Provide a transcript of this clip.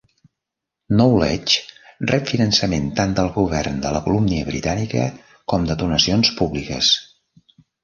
Knowledge rep finançament tant del govern de la Colúmbia Britànica com de donacions públiques.